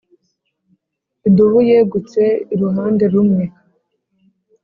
idubu yegutse uruhande rumwe